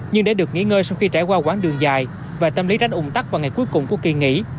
nhưng để được nghỉ ngơi sau khi trải qua quãng đường dài và tâm lý tránh ủng tắc vào ngày cuối cùng của kỳ nghỉ